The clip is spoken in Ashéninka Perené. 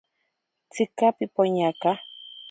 Tsika pipoñaka.